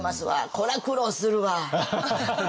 これは苦労するわ。